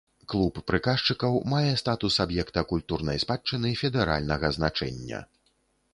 Клуб прыказчыкаў мае статус аб'екта культурнай спадчыны федэральнага значэння.